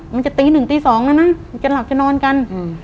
มันจะตีหนึ่งตีสองแล้วนะมันจะหลับจะนอนกัน